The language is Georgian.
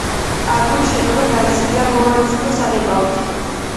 აგურის შენობა გალესილია მოვარდისფრო საღებავით.